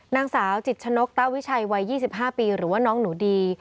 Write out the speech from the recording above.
นางสาวจิตชนกต้าวิชัยวัย๒๕ปีหรือว่าน้องหนูดี